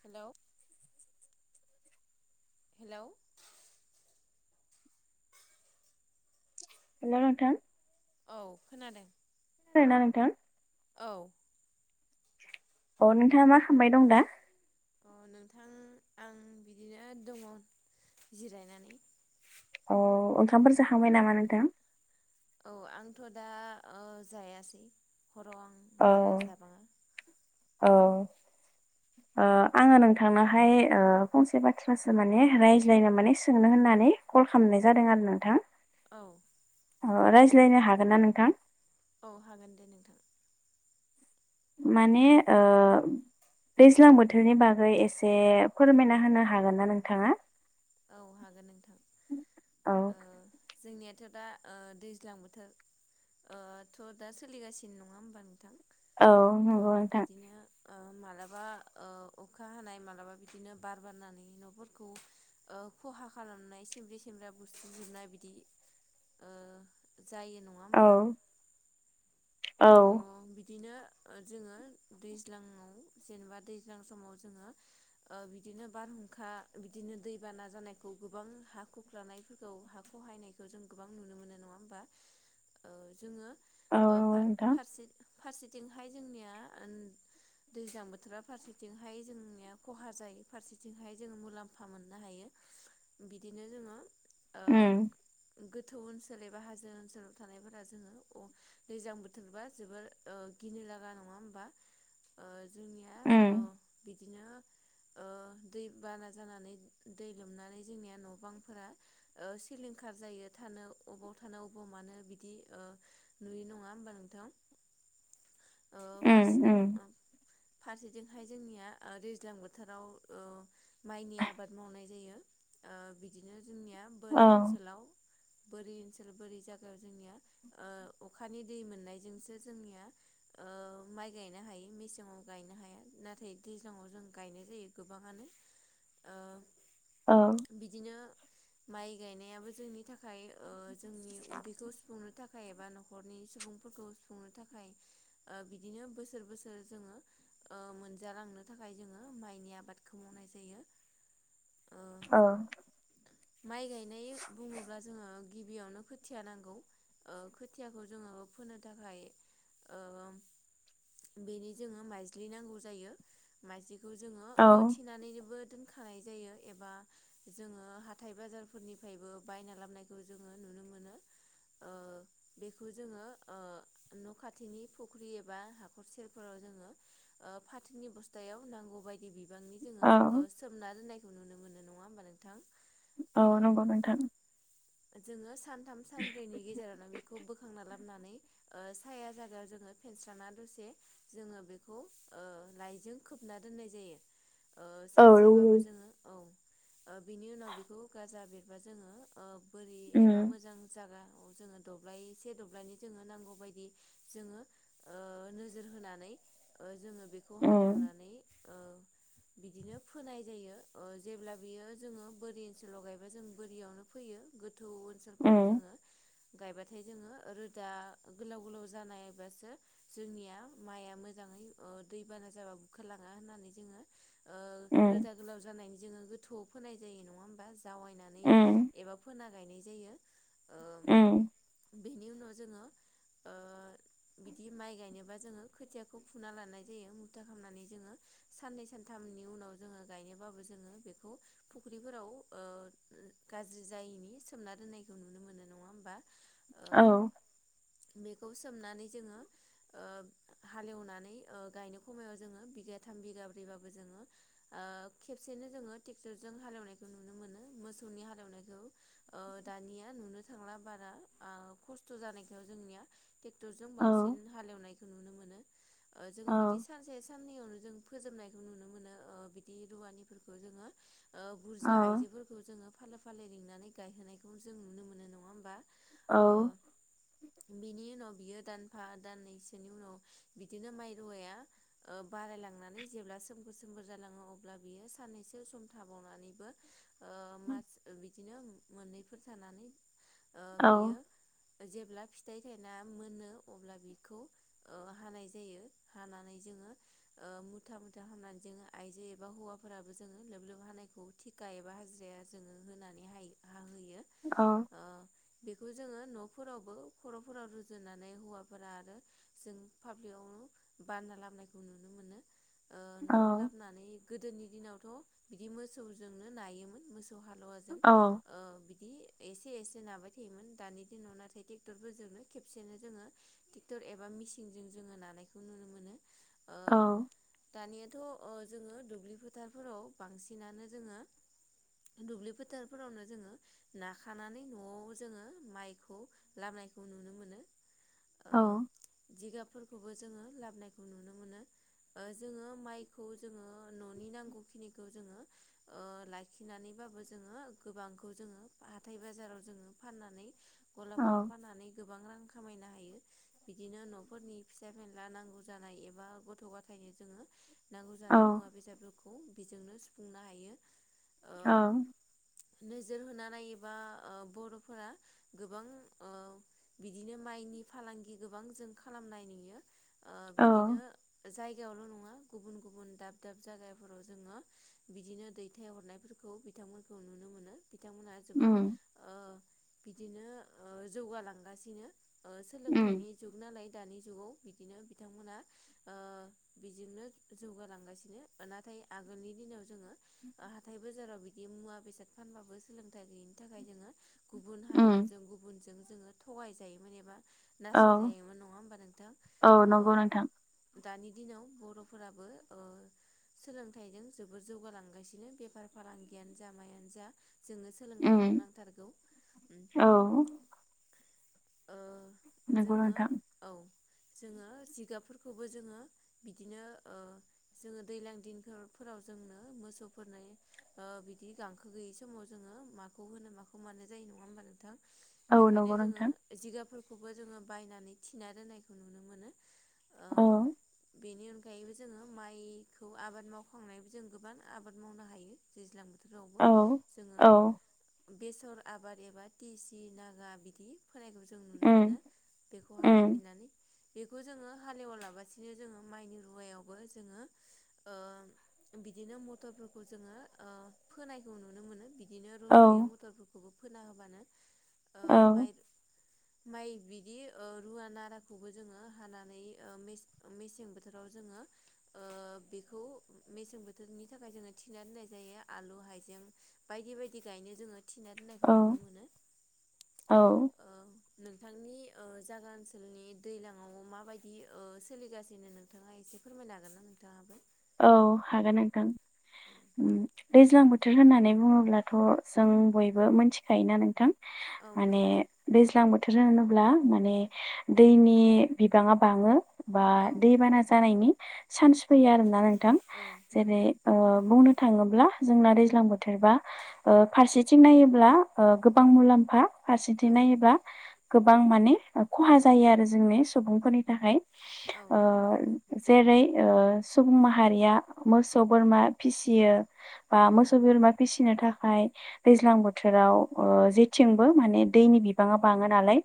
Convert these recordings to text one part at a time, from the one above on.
Hello hello hello नोंथां औ खोनादों। खोनादोंना नोंथां? औ अ नोंथाङा मा खालामबाय दं दा? अ नोंथां आं बिदिनो दङ। जिरायनानै। औ ओंखामफोर जाखांबाय नामा नोंथां? औ आंथ' दा ओ जायासै हराव आं औ बारा जाबाङा औ ओ आङो नोंथांनावहाय ओ फंसे बाथ्रासो माने रायज्लायनो माने सोंनो होननानै नानै कल खालामनाय जादों आरो नोंथां औ औ रायज्लायनो हागोन ना नोंथां? औ हागोन दे नोंथां। माने ओ दैज्लां बोथोरनि बागै एसे फोरमायना होनो हागोन ना नोंथाङा? औ हागोन नोंथां औ ओ जोंनिया दा ओ दैज्लां बोथोर ओ थ' दा सोलिगासिनो नङा होमबा नोंथां। औ ओ नंगौ नोंथां। बिदिनो ओ मालाबा ओ अखा हानाय मालाबा बिदिनो बार बारनानै न'फोरखौ। ओ खहा खालामनाय सिमब्रि सिमब्रा बुस्रिजोबनाय बिदि ओ जायो नङा औ होमबा। औ अ बिदिनो। जोङो दैज्लाङाव जेनेबा दैज्लां समाव जोङो ओ बिदिनो बार हुंखा बिदिनो दैबाना जानायखौ गोबां हा खख्लानायफोरखौ हा खहायनायखौ जों गोबां नुनो मोनो नङा होमबा ओ जोङो औ ओ नंगौ फा नोंथां फारसे फारसेथिंहाय जोंनिया ओन दैज्लाबोथोरा फारसेथिंहाय जोंनिया खहा जायो फारसेथिंहाय जोंङो मुलाम्फा मोननो हायो। बिदिनो जोङो उम ओ गोथौ ओनसोल एबा हाजो ओनसोलाव थानायफोरा जोङो अ दैज्लां बोथोर थोरबा जोबोर ओ गिनो लागा नङा होमबा ओ जोंनिया ओ उम बि [inaudible] दै बाना जानानै दै लोमनानै जोंनिया न' बांफोरा ओ सिलिंखार जायो। थानो अबाव थानो अबाव मानो बिदि ओ नुयो नङा होमबा नों थां ओ उम फारसेथिं उम ओं फारसे बेखाय जोंनिया ओ दैज्लां बोथोराव ओ माइनि आबाद मावनाय जायो ओ बिदिनो जोंनिया औ बोरि ओनसोलाव बोरि ओनसोल बोरि जायगायाव जोंनिया ओ अखानि दै मोननाय जो जोंसो जोंनिया ओ माइ गायनो हायो मेसेंआव गायनो हाया नाथाय दैज्लांआव जों गायनाय जायो गोबाङानो। ओ [inaudible] औ बिदिनो माइ गायनायाबो जोंनि थाखाय थाखाय ओ जोंनि उदैखौ सुफुंनो थाखाय एबा न'खरनि सुबुंफोरखौ सुफुंनो थाखाय ओ बिदिनो बोसोर बोसोर जोङो ओ मोनजालांनो थाखाय जोङो माइनि आबादखौ मावनाय जायो। ओ औ माइ गायनाय बुङोब्ला जोङो गिबियावनो खोथिया नांगौ। ओ खोथियाखौ जोङो फोनो थाखाय ओ बेनि जोङो माइज्लि नांगौ जायो माइज्लिखौ जोङो ओ औ थिनानैनोबो दोनखानाय जायो एबा जोङो हाथाय बाजारफोरनिफ्रायबो बायना लाबनायखौ जोङो नु [inaudible] ओ बेखौ जोङो ओ [inaudible] न' खाथिनि फुख्रि एबा हाखर सेरफोराव जोङो फाथोनि बस्थायाव नांगौ बायदि बि बिबांनि औ जोङो सोमना दोननायखौ नुनो मोनो नङा होमबा नोंथां। औ ओ नंगौ नोंथां। जोङो सानथाम सानब्रैनि गेजेरावनो बेखौ बोखांना लाबोनानै ओ साया जायागायाव जोङो फेनस्राना दसे जोङो बेखौ ओ लाइजों खोब थिना दोननाय जायो ओ औ नंगौ। सानसेबाबो जोङो औ। ओ बिनि उनाव बेखौ गाजा बेरबा जोङो ओ बोरि उम एबा मोजां जागा जोङो दब्लायसे दब्लायनि जोंनो नांगौ बायदि जोओ ओ नोजोर होनानै ओ जोओ बेखौ उम हालेवनानै ओ [inaudible] बिदिनो फोनाय जायो ओ जेब्ला बियो जोङो बोरि ओनसोलाव गायब्ला जों बोरियावनो फैयो गोदा गोथौ ओनसोलफोराव उम जोङो गायबाथाय जोङो ओ रो दा गोलाव गोलाव जानायबासो जोंनिया माइया मोजाङै दैबाना जाब खलाङा होननानै जोङो उम रोदा गोलाव जानायनि जोङो गोथौआव फोनाय जायो नङा होमबा। जावायनानै उम एबा फोना गायनाय जायो ओ उम बेनि उनाव जोङो ओ बिदि माइ गायनोबा जोङो खोथियाखौ फुना लानाय जायो मुथा खालामनानै जोङो साननै सानथामनि उनाव जोङो गायनोबाबो ज जोङो बेखौ फुख्रिफोराव गाज्रि जायैनि सोमना दोननायखौ नुनो मोनो। नङा होमा औ बेखौ सोमनानै जोङो हालेवनानै गायनाय समायाव जोङो बिग थाम बिगाब्रैबाबो जोङो खेबसेनो जोङो ट्रेक्टरजों हालेवनायखौ नुनो मोनो। मोसौनि हालेवनायखौ दानिया नुनो थांला बारा खस्थ' खस्थ' जानायखौ जोंनिया ट्रेक्टरजों औ बांसिन हालेवनायखौ नुनो मोनो। ओ जोङो औ बिदि सानसे साननैयावनो जों फोजोबनायखौ नुनो मोनो बिदि रुवानिफोरखौ जोङो बुरजा आइजोफोरखौ जोङो फालो फालो लिंनानै गायहोनायखौ जों नुनो मोनो नङा होमबा। औ बेनि नि उनाव बियो दानफा दाननैसोनि उनाव बिदिनो माइ रुवाया बारायलांनानै जेब्ला सोमखोर सोमबोर जालाङो अब्ला बियो सानैनैसो सम थाबावनानैबो ओ मास बिदिनो मोननैफोर थानानै ओ औ बियो जेब्ला फिथाइ थायना मोनो अब्ला बिखौ ओ हानाय जायो हानानै जों ओ मुथा मुथा हानानै जोङो आइजो एबा हौवाफोराबो जोङो लोब लोब हानायखौ थिखा एबा एबा हाजिराया जोङो होनानै हायो हाहोयो औ। ओ बेखौ जोङो न' फोरावबो खर'फोराव रुजुननानै हौवाफोरा आरो जों पाप्लिआवनो बानना लाबो नायखौ नुनो मोनो। ओ न'आव औ लाबोनानै गोदोनि दिनावथ' बिदि मोसौजोंनो नायोमोन मोसौ हालुवाजों औ ओ बिदि एसे एसे नाबाय थायोमोन दानि दिनाव नाथाय ट्रेक्टरफोरजोंनो खेबसेनो जोङो ट्रेक्टर एबा मिसिनजों जोङो नानायखौ नुनो मोनो। ओ औ। दानियाथ' ओ जोङो दुब्लि फोथारफोराव बांसिनानो जोङो दुब्लि फोथारफोरावनो जोङो नाखानानै न'आव जोङो माइखौ खौ लाबोनाययखौ नुनो मोनो औ। फोरखौबो जोंङो लाबोनायखौ नुनो मोनो जोङो माइखौ जोङो न'नि नांगौखिनिखौ जोंङो ओ लाखिनानैबाबो जों गोबांखौ जों हाथाय बाजाराव जों बा फाननानै गलाफोराव फाननानै गोबां रां खामायनो हायो। बिदिनो न'ख, रनि फिसा फेनला नांगौ जानाय एबा गथ' गथाय जोङो नांगौ जानाय औ मुवा बेसादफोरखौ बेजोंनो सुफुंनो हायो। औ। ओ नोजोर होना नायोबा ओ बर'फोरा गोबां ओ बिदिनो माइनि फालांगि गोबां जों खालामनाय नुयो। ओ औ बिदिनो जाय गायावल' नङा गुबुन गुबुन दाब दाब जायगाफोराव जोङो बिदिनो दैथाय हरनायफोरखौ बिथांमोनखौ नुनो मोनो बिथांमोनहा जोबोद उम बिदिनो ओ जौगालांगासिनो ओ उम सोलोंथाइनि जुग नालाय। दानि जुगाव बिदिनो बिथांमोना ओ बिजोंनो जौगालांगासिनो नाथाय आगोलनि दिनाव जोङो ओ हाथाइ बाजाराव बिदि मुवा बेसाद फानबाबो सोलोंथाइ गैयिनि थाखाय जोङो गु गुबुन उम हारिफोरजों गुबुनजों जोङो थगायजायोमोन एबा‌ औ नासय जायोमोन। नङा होमबा नोंथां? औ नंगौ नोंथां दानि दिनाव बर'फोराबो ओ सोलोंथाइजों जोबोद जौगालांगासिनो बेफार फालांगियानो जा मायानो जा। जोंनो सोलोंथाइखौ उम नांथारगौ। उम औ। ओ नंगौ जोङो नोंथां औ जोङो जिगाबफोरखौबो जोङो बिदिनो ओ जोङो दैज्लां दिनफोराव फो जोंनो मोसौफोरनो ओ बिदि गांखो गैयै समाव जोङो माखौ होनो माखौ मानो जायो नङा होनबा नोंथां औ बेखायनो नंगौ जोङो नोंथां जिगाबफोर खौबो जोङो बायनानै थिना दोननायखौ नुनो मोनो। ओ अ बेनि अनगायैबो जोङो माइखौ आबाद मावखांनानैबो जों गोबां आबाद मावनो हायो दैलां बोथोरावबो औ जोङो औ बेसर आबाद एबा टिसि नागा बिदि फोनायखौ जों नुनो मोनो उम बेखौ उम हालिफिननानै बेखौ जोङो हालेवालाबासिनो जोङो माइनि रुवायावबो जोङो ओ बिदिनो मथरफोरखौ ओ जोङो फोनायखौ नुनो मोनो बिदि। बिदिनो औ रज'यो मथरफोरखौबो फोना होबानो ओ औ माइ माइ बिदि ओ रुवा नाराखौबो जोङो हानानै मेसें बोथोराव जोङो बेखौ मेसें बोथोरनि थाखाय जोङो थिनानै दोननाय जायो आलु हाइजें बायदि बायदि गायनो जोङो थिना दोननायखौ औ नुनो मोनो। औ नोंथांनि ओ जागा ओनसोलनि दैलाङाव माबायदि ओ सोलिगासिनो नोंथाङा एसे से फोरमायनो होगोनना नोंथाङाबो? औ हागोन नोंथां। दैज्लां बोथोर होननानै बुङोब्लाथ' जों बयबो मोनथिखायोना नोंथां? औ माने नंगौ दैज्लां बो थोर होनोब्ला माने दैनि बिबाङा बाङो। बा औ दैबाना जानायनि सान्स फैयो आरोना नों नोंथां औ जेरै नंगौ ओ बुंनो थाङोब्ला जोंना दैज्लां बोथोरबा ओ फारसेथिं नायोब्ला ओ गोबां मुलाम्फा फारसेथिं औ नायोब्ला गोबां माने ओ खहा जायो आरो जोंनि सुबुंफोरनि थाखाय। औ ओ जेरै ओ सुबुं माहारिया मोसौ बोरमा फिसियो बा औ मोसौ बोरमा फिसिनो थाखाय दैज्लां बोथोराव ओ जेथिंबो माने दैनि बिबाङा बाङो नालाय,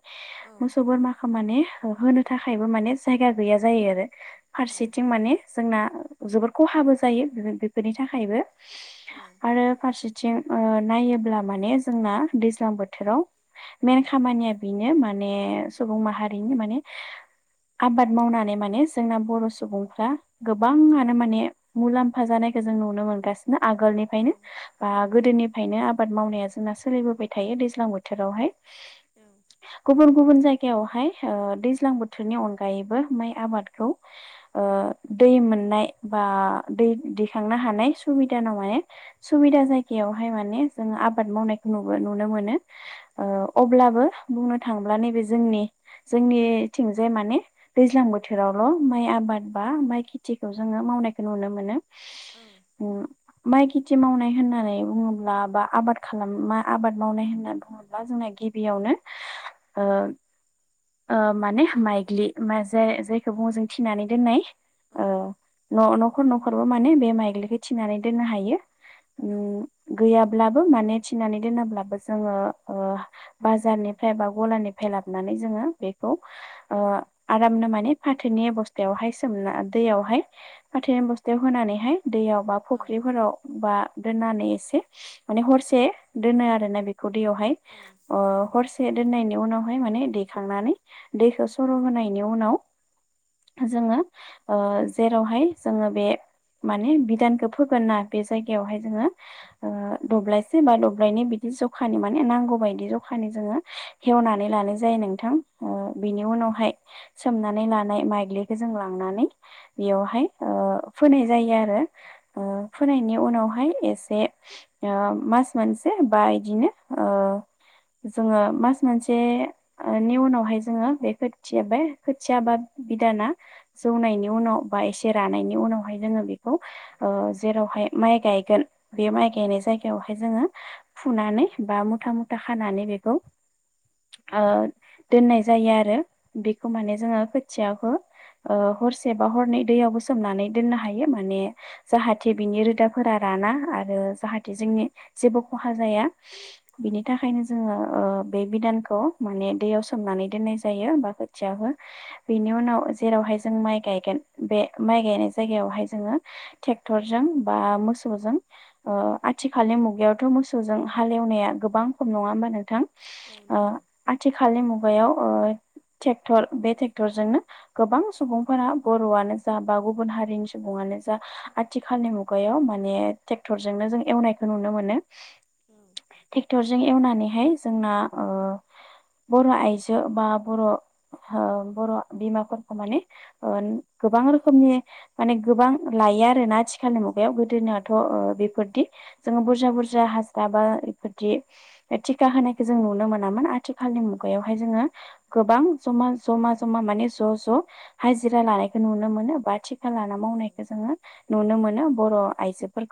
औ मोसौ बोरमाखो माने होनो थाखायबो माने जायगा गैया जायो आरो औ फारसेथिं माने, जोंना जोबोर खहाबो जायो बेफोरनि थाखायबो औ आरो फारसे, थिं ओ नायोब्ला माने जोंना दैज्लां बोथोराव, औ मेन खामानिया बेनो माने सुबुं माहारिनि माने आबाद मावनानै माने जोंना बर' सुबुंफ्रा गोबाङानो माने मुलाम्फा जानायखौ जों नुनो मोनगासिनो आगोलनिफ्रायनो औ बा गोदोनिफायनो आबाद मावनाया जोंना सोलिबोबाय थायो दैज्लां बोथोरावहाय। गुबुन गुबुन जायगायावहाय ओ दैज्लां बोथोरनि अनगायैबो माइ आबादखौ ओ दै मोननाय बा दै दिखांनो हानाय सुबिदा नं माने सुबिदा जायगायाव बेयावहाय माने जोङो आबाद मावनायखौ नुनो मोनो ओ औ अब्लाबो बुंनो थाङोब्ला नैबे जोंनि जोंनिथिंजाय माने दैज्लां बोथोरावल' माइ आबाद बा माइ खेथिखौ जोङो मावनायखौ नुनो मोनो। औ माइ खेथि मावनाय होननानै बुङोब्ला बा आबाद खालाम आबाद मावनाय होनना बुङोब्ला जोंना गिबियावनो ओ माने माइग्लि मा जाय जायखौ बुङो जों थिनानै दोननाय, औ ओ न'खर न'खरबो माने बे माइग्लिखौ थिनानै दोननो हायो। ओम गैया ब्लाबो माने थिनानै दोनाब्लाबो जोङो ओ बाजारनिफ्राइ बा गलानिफ्राय लानानै, जोङो बेखौ ओ आरामनो माने फाथैनि बस्थायावहाय, सोमना दैयावहाय फाथैनि बस्थायाव होनानैहाय दैयाव बा फुख्रिफोराव बा, दोननानै एसे माने हरसे दोनो आरोना बेखौ दैयावहाय अ हर दोननायनि उनावहाय माने दैखांनानै दैखौ सर' होनायनि उनाव, जोङो ओ जेरावहाय जोङो बे, माने बिधानखौ फोगोन ना बे जायगायावहाय जोङो दब्लायसे बा दब्लायनै बिदि, जखानि माने नांगौ बायदि जखानि जोङो, हेवनानै लानाय जायो नोंथां बिनि उनावहाय सोमनानै लानाय माइग्लिखौ जों लां, लांनानै बेवहाय ओ फोनाय जायो आरो ओ फोनायनि उनाव हाय एसे मास मोनसे बा इदिनो जोङो मास मोनसेनि उनावहाय जोङो बे खोथिया बे खोथिया बा बिदाना जौनायनि उनाव बा एसे रानायनि उनावहाय जोङो बेखौ जेरावहाय माइ गायगोन बे माइ गायनाय जायगायावहाय जोङो फुनानै बा मुथा मुथा खानानै बेखौ दोननाय जायो आरो बेखौ माने जोङो खोथियाखौ हरसे बा हरनै दैयावबो सोमनानै दोननो हायो माने जाहाथे बिनि रोदाफोरा रान मोना आरो जाहाथे जोंनि जेबो खहा जाया बिनि थाखायनो जोङो बे बिदानखौ माने दैयाव सोमनानै दोननाय जायो बा खोथियाबो बेनि उनाव जेरावहाय जों माइ गायगोन बे माइ गायनाय जायगायावहाय जोङो ट्रेक्टरजों बा मो मोसौजों आथिखालनि मुगायावथ' मोसौजों हालेवनाया गोबां खम नङा होमबा नोंथां औ नंगौ आथिखालनि मुगायाव टेक्टर बे ट्रेक्टरजोंनो गोबां सुबुंफोरा बर'आनो जा बा गुबुन हारिनि सुबुंआनो जा आथिखालनि मुगायाव माने ट्रेक्टरजोंनो जों एवनायखौ नुनो मोनो औ ट टेक्टरजों एवनानैहाय जोंना बर' आइजो बा बर' बर' बिमाफोर माने गोबां रोखोमनि माने गोबां लायो आरो ना आथिखालनि म बेयाव गोदोनाथ' बेफोरदि जोङो बुरजा बुरजा हास्रा बा बिदि टिका होनायखौ जों नुनो मोनामोन आथिखालनि औ मुगायावहाय जोङो गोबां जमा जमा जमा माने ज' ज' हाजिरा लानायखौ नुनो मोनो बा थिखा लाना औ मावनायखौ जोङो नुनो मोनो बर' आइजोफोरखौ